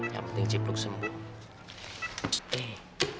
yang penting cipluk sembuh